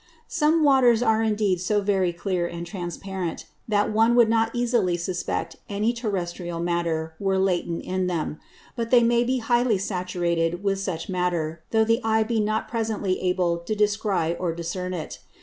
Some Waters are indeed so very clear and transparent, that one would not easily suspect any terrestrial Matter were latent in them; but they may be highly saturated with such Matter, though the Eye be not presently able to descry or discern it.